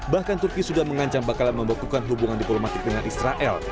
bahkan turki sudah mengancam bakalan membekukan hubungan diplomatik dengan israel